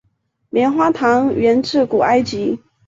棉花糖源自古埃及。